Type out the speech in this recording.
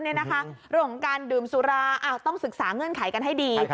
เรื่องของการดื่มสุราต้องศึกษาเงื่อนไขกันให้ดี